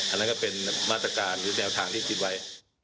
อันนั้นก็เป็นมาตรการหรือแนวทางที่คิดไว้